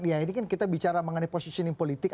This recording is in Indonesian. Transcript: ya ini kan kita bicara mengenai positioning politik